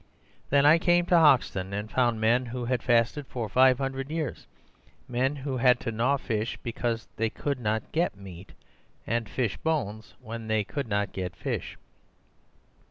Then I came to Hoxton and found men who had fasted for five hundred years; men who had to gnaw fish because they could not get meat—and fish bones when they could not get fish.